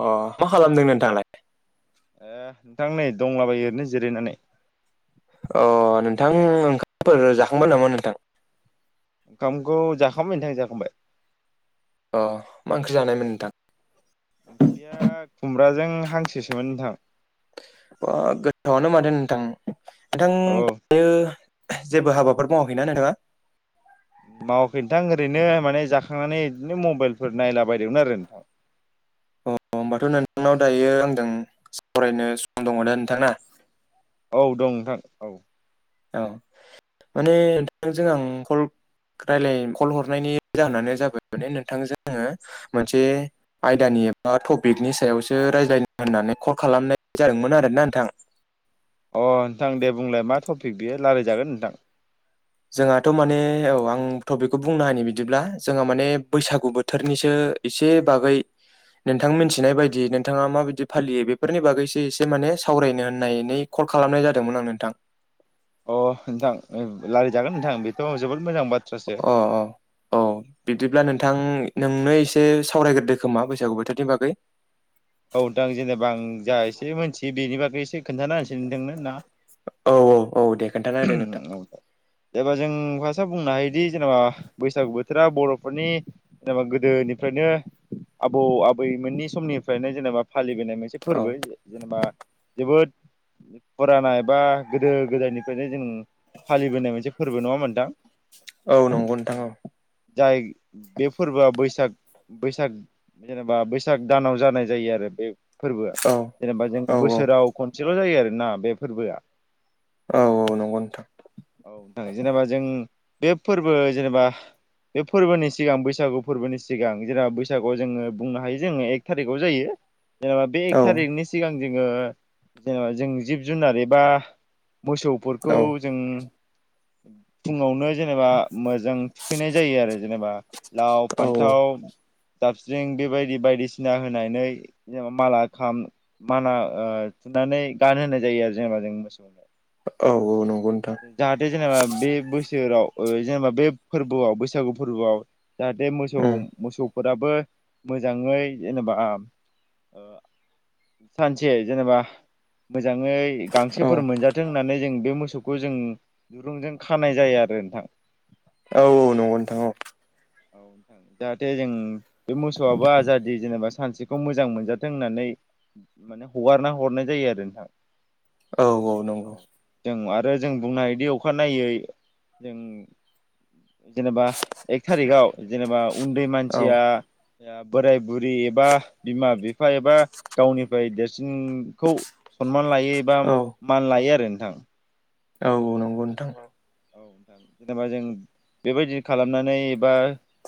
अ मा खालामदों नोंथाङालाय? ए नोंथां नै दंलाबायो ओरैनो जिरायनानै। अ नोंथां ओंखामफोर जाखांबाय नामा नोंथां? ओंखामखौ जाखांबाय नोंथां जाखांबाय। अ मा ओंख्रि जानायमोन नोंथां? ओम ओंख्रिया खुमब्राजों हांसोसोमोन नोंथां। ओ गोथावआनो माथो नोंथां। नोंथां औ। जेबो हाबाफोर मावाखैना नोंथाङा? मावाखै नोंथां ओरैनो माने जाखांनानै बिदिनो मबाइलफोर नायला बायदोंमोन आरो नोंथां [inaudible] अ होमबाथ' नोंथांनाव दायो आंजों सावरायनो सम दङ दा नोंथाङा? औ दं नोंथां औ। औ माने नोंथांजों आं कल रायलाय कल हरनायनि जाहोनानो जाबाय माने नोंथां जोङो मोनसे आयदानि एबा टपिकनि सायावसो रायज्लायनो होननानै कल खालामनाय जादोंमोन आरोना नोंथां। अ नोंथां दे बुंलाय मा टपिक बेयो रायलायजागोन नोंथां। जोंहाथ' माने औ आं टपिकखौ बुंना होनि बिदिब्ला जोंहा माने बैसागु बोथोरनिसो एसे बागै नोंथां मिथिनाय बायदि नोंथाङा माबायदि फालियो बेफोरनि बागैसो एसे माने सावरायनो होननायनै कल खालामनाय जादोंमोन आं नोंथां। अ नोंथां लायराय जागोन नोंथां बेथ' जोबोद मोजां बाथ्रासो अ अ औ बिदिब्ला नोंथां नोंनो एसे सावरायग्रोदो खोमा बैसागु बोथोरनि बागै औ दां जेनेबा आं जा एसे मिथियो बेनि बागै एसे खोन्थाना होनोसै नोंथांनो ना? औ औ औ दे। खोन्थाना होदो नोंथां। औ जेबा जों फास्ट खोथा बुंनो हायोदि जेनेबा बैसागु बोथोरा बर'फोरनि जेनेबा गोदोनिफ्रायनो आबौ आबैमोननि समनिफ्रायनो जेनेबा फालिबोनाय मोनसे औ फोरबो जेनेबा जोबोद फुराना बा गोदो गोदायनि फ्रायनो जों फालिबोनाय मोनसे फोरबो नङा होनबा नोंथां? औ नंगौ नोंथां औ। जाय बे फोरबोआ बैसाग बैसाग जेनेबा बैसाग दानाव जानाय जायो आरो बे फोरबोआ औ जेनेबा जों औ बोसोराव खनसेल' जायो आरोना बे फोरबोआ। औ औ नंगौ नोंथां औ नोंथां जेनेबा जों बे फोरबो जेनेबा बे फोरबोनि सिगां बैसागु फोरबोनि सिगां जेनब बैसागुआव जोङो बुंनो हायो जोङो एक थारिखआव जायो जेनेबा बे एक औ थारिकनि सिगां जोङो जेनेबा जों जिब जुनार बा मोसौ फोरखौ औ जों फुङावनो जेनेबा मोजां थुखैनाय जायो आरो जेनेबा लाव औ फान्थाव दाबस्रिं बेबायदि बायदिसिना होनानै जेनबा माला खाम माना ओ नानै गानहाय जायो आरो जेनेबा जों मोसौनो औ औ नंगौ नोंथां जाहाथे जेनेबा बे बोसोराव ओ जेनेबा बे फोरबोआव बैसागु फोरबोआव जाहाथे मोसौ उम मोसौ फोराबो मोजाङै जेनेबा ओ सानसे जेनेबा मोजाङै औ गांसोफोर मोनजाथों होननानै जों बे मोसौखौ जों दुरुंजों खानाय जायो आरो नोंथां औ औ नंगौ नोंथां औ औ नोंथां जाहाथे जों बे मोसौआबो आजादि जेनेबा सानसेखौ मोजां मोनजाथों होननानै माने हगारना हरनाय जायो आरो नोंथां औ औ नंगौ आरो जों बुंनो हायोदि अखानायनायै जों जेनेबा थारिखआव जेनेबा उन्दै मानसिया औ बोराय बुरि एबा बिमा बिफा एबा गावनिफ्राय देरसिनखौ सनमान लायो एबा औ मान लायो आरो नोंथां औ औ नंगौ नोंथां औ नोंथां जेनेबा जों बेबायदि खालामनानै एबा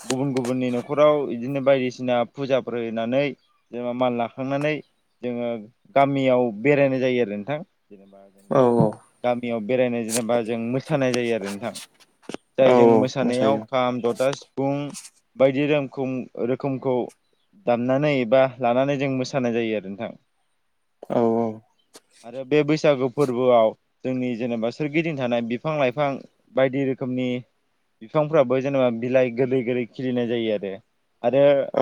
गुबुन गुबुननि न'खराव बिदिनो बायदिसिना फुजाफोर होयोना जेनेबा माल लाखांनानै जोङो गामियाव बेरायनाय जायो आरो नोंथां जेनेबा जों औ गामियाव बेरायनाय जेनेबा जों मोस जायो आरो नोंथां औ जाय जों मोसानायाव मोसायो खाम सिबुं बायदि रमखौ रोखोमखौ दामनानै बा लानानै जों मोसानाय जायो आरो नोंथां औ औ आरो बे बैसागो फोरबोआव जोंनि जेनेबा सोरगिदिं थानाय बिफां लाइफां बायदि रोखोमनि बिफांफोराबो जेनेबा बिलाइ गोरलै गोरलै खिलिनाय जायो आरो आरो औ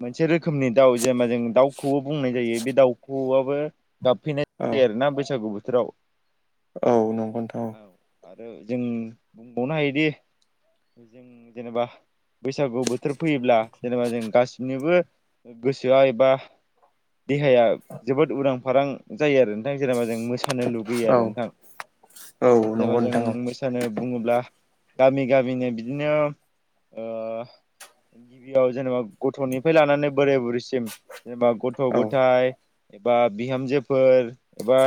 मोनसे रोखोमनि दाउ जेनेबा जों दाउखौबो बुंनाय जायो बे दाउखौआबो गाबफैनाय औ जायो आरोना बैसागु बोथोराव औ नोंगौ नोंथां औ आरो जों बुंबावनो हायोदि जों जेनेबा बैसागु बोथोर फैयोब्ला जेनेबा जों गासिनिबो गोसोआ एबा देहाया जोबोद उरां फारां जायो आरो नोंथां जेनेबा जों मोसा थानो लुगैयो औ आरो नोंथां औ जेनेबा नंगौ जों नोंथां औ मोसानो बुङोब्ला गामि गामिनो बिदिनो ओ गिबियाव जेनेबा गथ'निफ्राय लानानै बोराय बुरैसिम जेनेबा गथ' औ गथाय एबा बिहामजोफोर एबा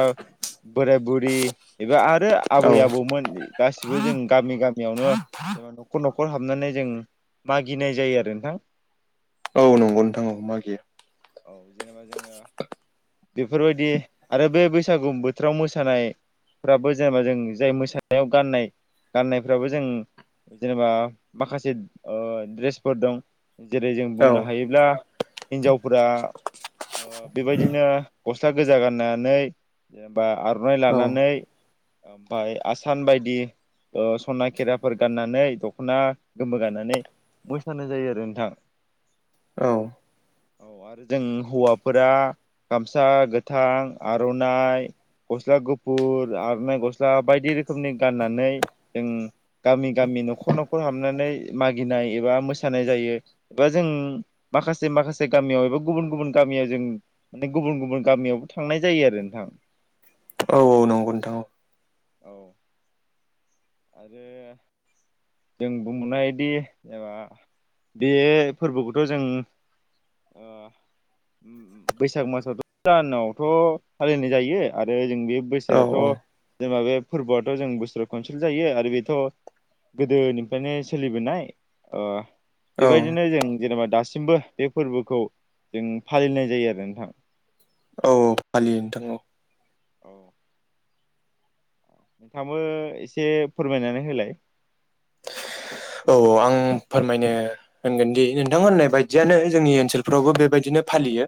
बोराय बुरि एबा आरो औ आबै आबौमोन गासिबो जों गामि गामियावनो जेनेबा न'खर न'खर हाबनानै जों मागिनाय जायो आरो नोंथां औ नंगौ नोंथां औ मागियो औ जेनेबा जोङो बेफोरबायदि आरो बे बैसागु बोथोराव मोसानायफ्राबो जेनेबा जों जाय मोसानायाव गाननाय गाननायफ्राबो जों। जेनेबा माखासे ओ दड्रेसफोर दं जेरै जों औ बुंनो हायोब्ला। हिनजावफोरा ओ बेबायदिनो गस्ला गोजा गाननानै जेनेबा आर'नाइ औ लानानै ओमफय आसान बायदि ओ सना खेराफोर गाननानै दख'ना गोमो गाननानै मोसानाय जायो आरो नोंथां। औ। औ आरो जों हौवाफोरा गामसा गोथां आर'नाइ गस्ला गुफुर आरनाय ग स्ला बायदि रोखोमनि गाननानै जों गामि गामि न'खर न'खर हाबनानै मागिनाय नाय एबा मोसानाय जायो एबा जों माखासे माखासे गामियाव एबा गुबुन गुबुन गामियाव जों माने गुबुन गुबुन गामियावबो थांनाय जायो आरो नोंथां औ औ नंगौ नोंथां औ औ [inaudible] आरो जों बुंनायदि ओ बे फोरबोखौथ' जों अ बैसाग मासा दानावथ' फालिनाय जायो आरो जों बे औ बोसोराथ' जेनबा बे फोरबोआथ' जों बोसोराव खनसेल जायो आरो बेथ' गोदोनिफ्रायनो सोलिबोनाय ओ औ बेबायदिनो जों जेनेबा दासिमबो बे फोरबोखौ जों फालिनाय जायो आरो नोंथां। औ फालियो नोंथां औ औ [unintelligible] एसे फोरमायनानै होलाय औ औ आं फोरमायनो होनगोन दि नोंथां होननाय बायदियानो जोंनि ओनसोलफ्रावबो बेबायदिनो फालियो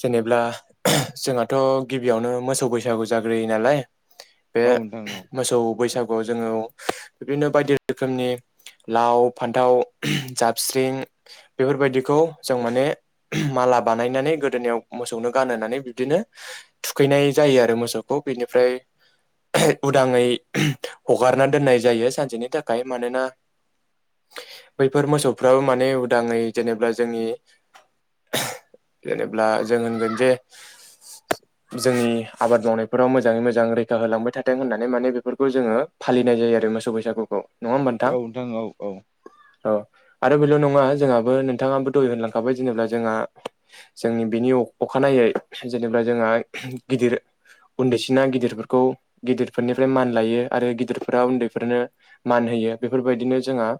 जेनेब्ला जोंहाथ' गिबियावनो मोसौ बैसागु जाग्रोयो नालाय बे औ नोंथां मोसौ बैसागुआव जोङो बिदिनो बायदि रोखोमनि लाव फान्थाव जाबस्रिं बेफोरबायदिखौ जों माने माला बानायनानै गोदोनिायाव मोसौनो गानहानै बिबदिनो थुखैनाय जायो आरो मोसौखौ बेनि फ्राय उदाङै हगारना दोननाय जायो सानसेनि थाखाय मानोना [inaudible] बैफोर मोसौफ्राबो माने उदाङै जेनेबा जोंनि जेनेब्ला जों होनगोन जे जोंनि आबाद मावनायफोराव मोजाङै मोजां रैखा होलांबाय थाथों होननानै माने बेफोरखौ जोङो फालि नाय जायो आरो मोसौ बैसागुखौ नङा होमबा औ नोंथां औ औ औ आरो बेल' नङा जोंहाबो नोंथाङाबो दै होनलांखाबाय जेनेबा जोंहा जोंनि बेनि अखानाय जेरै जेनेबा जोंहा गिदिर उन्दैसिना गिदिरफोरखौ गिदिरफोरनिफ्राय मान लायो आरो गिदिरफोरा उन्दैफोरनो मान होयो बेफोर बायदिनो जोंहा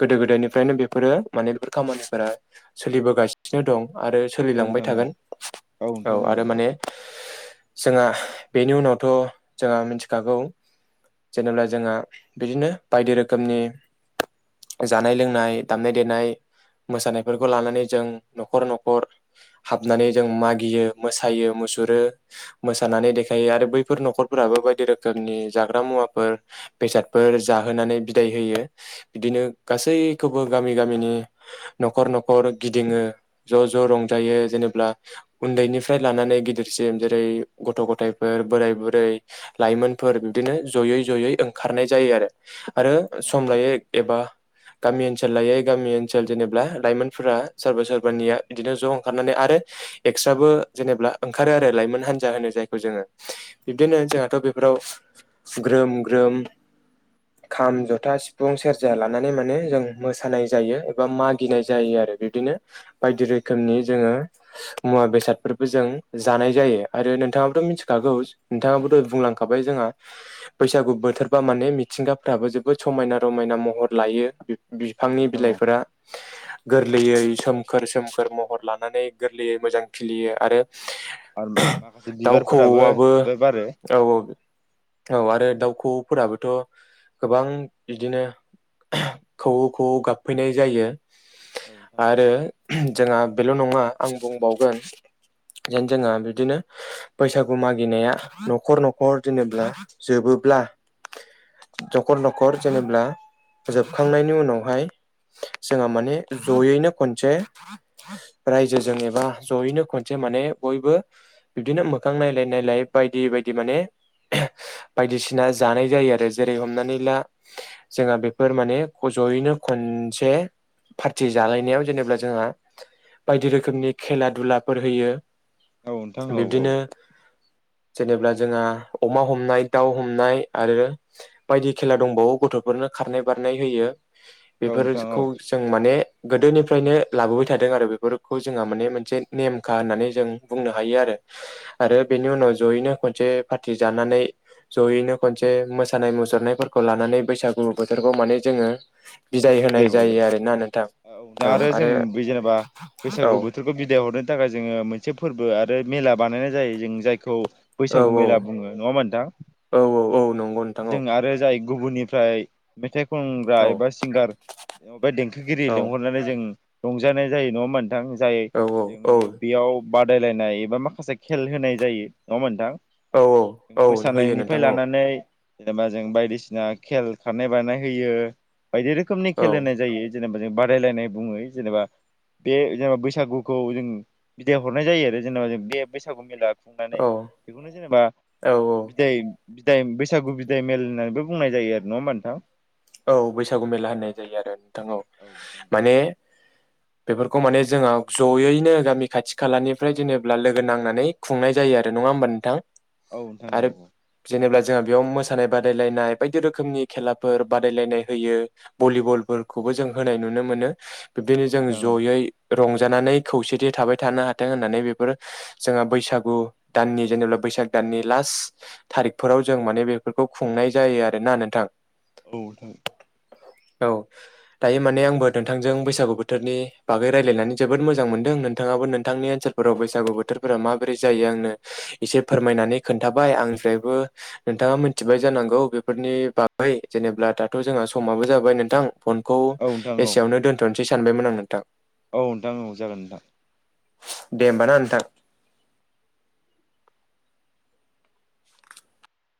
गोदो गोदायनिफ्रायनो बेफोरो माने बेफोर खामानिफोरा सोलिबोगासिनो दं। आरो औ सोलिलांबाय नोंथां औ थागोन औ आरो माने जोंहा बेनि उनावथ' जोंहा मिथिखागौ जेनेबा जोंहा बिदिनो बायदि रोखोमनि जानाय लोंनाय दामनाय देनाय मोसानायफोरखौ लानानै जों न'खर न'खर हाबनानै जों मागियो मोसायो मु सुरो मोसानानै देखायो आरो बैफोर न'खरफोराबो बायदि रोखोमनि जाग्रा मुवाफोर बेसादफोर जाहोनानै बिदाय होयो। बिदिनो गासैखौबो गामि गामिनि न'खर न'खर गिदिङो ज' ज' ज' रंजायो जेनेबा उन्दैनिफ्राय लानानै गिदिरसिम जेरै गथ' गथायफोर बोराय बुरै लाइमोनफोर बिदिनो जयै जयै ओंखारनाय जायो आरो आरो औ सम लायो एबा गामि ओनसोल लायै गामि ओनसोल जेनेब्ला लाइमोनफोरा सोरबा सोरबानिया बिदिनो ज' ओंखारनानै आरो एक्सट्राबो जेनेबा ओंखारो आरो लाइमोन हान्जा होनो जायखौ जोङो बिबदिनो जोंहाथ' बे फोराव ग्रोम ग्रोम खाम, जथा सि फुं सेरजा लानानै माने जों मोसानाय जायो एबा मागिनाय जायो आरो बिबदिनो बायदि रोखोमनि जोङो मुवा बेसादफोरबो जों जानाय जायो आरो नोंथाङाबाबोथ' मिथिखागौ नोंथाङाबो दहाय बुंलांखाबाय जोंहा बैसागु बोथोरबा माने मिथिंगाफ्राबो जोबोद समायना रमायना महर लायो औ बिफांनि नोंथां औ बिलाइफोरा गोरलैयै सोमखोर सोमखोर महर लानानै गोरलैयै मोजां खिलियो आरो आरो [unintelligible] माखासे दाउ खौवौ बिबारफोराबो आबो बिबार बारो औ औ औ दाव आरो नोंथां औ दाउ खौवौफोराबो थ' गोबां बिदिनो [unintelligible] खौवौ खौवौ गाबफैनाय जायो औ नोंथां औ आरो जोंहा बेल' नङा आं बुंबावगोन जेन जोंहा बिदिनो बैसागु मागिनाया न'खर न'खर जेनेब्ला जोबो ब्ला नखर नखर जेनेबा जोबखांनायनि उनावहाय जोङो माने जयैनो खनसे रायजोजों एबा जयैनो खनसे माने बयबो बिदिनो मोखां नायलाय नायलाय बायदि बायदि माने [unintelligible] बायदिसिना जानाय जायो आरो जेरै हमनानै ला जोंहा बेफोर माने जयैनो खनसे पार्टि जालायनायाव जेनेबा जोंहा बायदि रोखोमनि खेला दुलाफोर होयो औ नोंथां औ औ बिब्दिनो जेनेबा जोंहा अमा हमनाय दाउ हमनाय आरो बायदि खेला दंबावो गथ'फोरनो खारनाय बारनाय होयो औ नोंथां बेफोरखौ औ जों माने गोदोनिफ्रायनो लाबोबाय थादों आरो बेफोरखौ जोंहा माने मोनसे नेमखा होननानै जों बुंनो हायो आरो। आरो बिदाय बेनि उनाव जयैनो खनसे पार्टि जानानै जयैनो खनसे मोसानाय- मुसुरनायफोर खौ लानानै बैसागु बोथोरखौ माने जोङो बिदाय होनाय हरो जायो आरोना नोंथां। औ दा आरो जों बे जेनेबा औ बैसागु बोथोरखौ बिदाय हरनो थाखाय जोङो मोनसे फोरबो आरो मेला बानायनाय जायो जों जायखौ औ बैसागु औ मेला बुङो नङा होनबा नोंथां औ औ औ नंगौ [inaudible] नोंथां औ जों आरो जाय गुबुननि फ्राय मेथाइ खनग्रा औ एबा सिंगार देंखोगिरि औ लेंहरनानै जों रंजानाय जायो नङा नोंथां जाय औ औ जों बेयाव बादायलायनाय एबा माखासे खेल होनाय जायो नङा होनबा नोंथां? औ औ औ होयो मोसानायनिफ्राय नोंथां औ लानानै जेनेबा जों बायदिसिना खेल खारनाय बारनाय होयो बायदि रोखोमनि औ खेलेनाय जायो जेनेबा जों बादायलायनाय बुङो जेनेबा बे जेनेबा बैसागुखौ जों बिदाय हरनाय जायो आरो जेनेबा बे बैसागु मेला खुंनानै औ बेखौनो जेनेबा औ बिदाय बिदाय बैसागु बिदाय मेल होननानैबो बुंनाय जायो आरो नङा होमबा नोंथां? औ बैसागु मेला होननाय जायो आरो नोंथां औ माने बेफोरखौ माने जोङो जयैनो गामि खाथि खालानिफ्राय जेनेब्ला लोगो नांनानै खुंनाय जायो आ रो नङा होमबा नोंथां? औ नोंथा आरो औ औ जेनेबा जोंहा बेयाव मोसानाय बादायलायनाय बायदि रोखोमनि खेलाफोर बादायलायनाय होयो, भलिबलफोरखौबो जों होनाय नुनो मोनो। बिब्दिनो औ जों नोंथां औ जयै रंजानानै खौसेथि थाबाय थानो हाथों होननानै बेफोर जोंहा बैसागु दाननि जेनेबा बै साग दाननि लास्ट थारिखफोराव जों माने बेफोरखौ खुंनाय जायो आरोना नोंथां। औ नोंथां औ दायो माने आंबो नोंथांजों बैसागु बोथोरनि बागै रायलायनानै जोबोद मोजां मोनदों। नोंथांङाबो नोंथांनि ओनसोलफोराव बैसागु बोथोरफोरा माबोरै जायो आंनो इसे फोरमायनानै खोन्थाबाय आंनिफ्रायबो नोंथाङा मिथिबाय जानांगौ बेफोरनि बागै जेनेब्ला दाथ' जोंहा समाबो जाबाय नोंथां फनखौ औ नोंथां औ नोंथां औ एसेयावनो दोन्थ'नोसै सानबायमोन आं नोंथां। औ नोंथां औ जागोन नोंथां। दे होमबा ना नोंथां।